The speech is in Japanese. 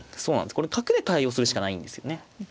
これ角で対応するしかないんですよね。